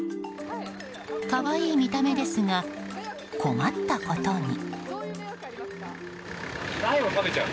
可愛い見た目ですが困ったことに。